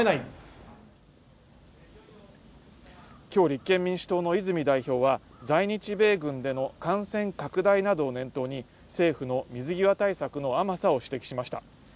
今日立憲民主党の泉代表は在日米軍での感染拡大などを念頭に政府の水際対策の甘さを指摘しました